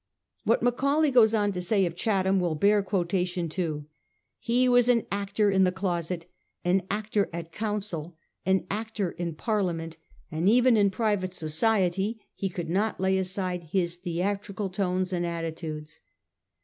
What Macaulay goes on to say of Chatham will bear quotation too. 'He was an actor in the closet, an actor at council, an actor in Parliament ; and even in private society he could not lay aside his theatrical tones and attitudes.